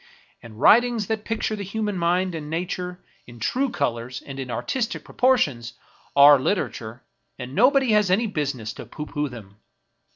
And writings that picture the human mind and nature, in true colors and in artistic proportions, are literature, and no body has any business to pooh pooh them.